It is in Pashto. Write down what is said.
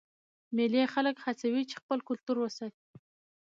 مېلې خلک هڅوي چې خپل کلتور وساتي.